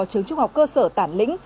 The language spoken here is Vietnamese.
trứng trúc học cơ sở tản lĩnh